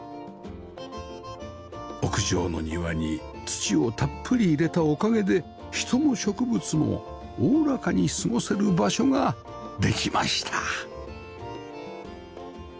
屋上の庭に土をたっぷり入れたおかげで人も植物もおおらかに過ごせる場所ができました